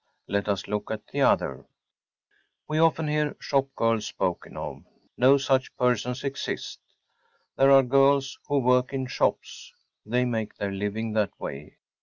Let us look at the other. We often hear “shop girls‚ÄĚ spoken of. No such persons exist. There are girls who work in shops. They make their living that way.